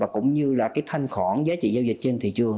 cũng như thanh khoản giá trị giao dịch trên thị trường